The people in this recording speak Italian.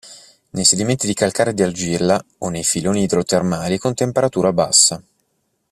Nei sedimenti di calcare e di argilla o nei filoni idrotermali con temperatura bassa.